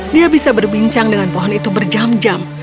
dia bisa berbincang dengan pohon itu berjam jam